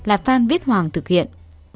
là phan viết hoàng thực hiện